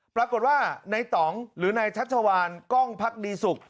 ปรากฏว่าในต่องหรือนายชัชวานกล้องพักดีศุกร์